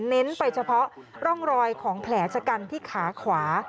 เน้นไปเฉพาะร่องรอยของแผลชะกันที่ขาขวา